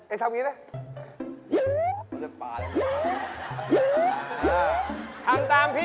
ไอ้น้องดึงดิหาทีด้วยช่วยด้วย